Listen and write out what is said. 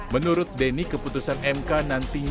menurut denny keputusan mk nantinya